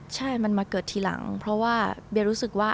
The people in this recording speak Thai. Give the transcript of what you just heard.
ใช่มันมาเกิดทีหลังเพราะว่าเบียรู้สึกว่า